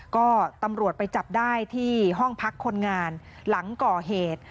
ก็ตำรวจไปจับได้ที่ห้องพักคนงานหลังก่อเหตุ